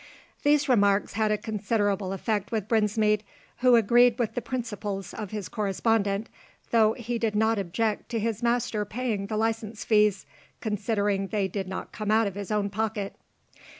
These remarks had a considerable effect with Brinsmead, who agreed with the principles of his correspondent, though he did not object to his master paying the licence fees, considering they did not come out of his own pocket.